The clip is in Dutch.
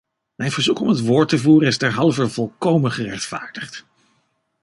Mijn verzoek om het woord te voeren is derhalve volkomen gerechtvaardigd.